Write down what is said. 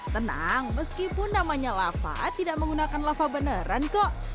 tenang meskipun namanya lava tidak menggunakan lava beneran kok